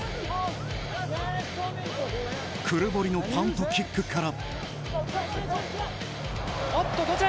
クルボリのパントキックから。